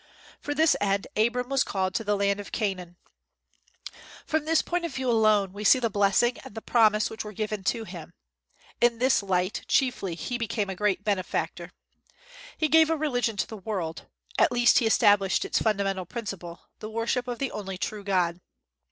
For this end Abram was called to the land of Canaan. From this point of view alone we see the blessing and the promise which were given to him. In this light chiefly he became a great benefactor. He gave a religion to the world; at least he established its fundamental principle, the worship of the only true God.